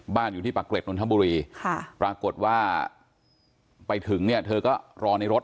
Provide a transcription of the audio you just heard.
อยู่ที่ปากเกร็ดนนทบุรีปรากฏว่าไปถึงเนี่ยเธอก็รอในรถ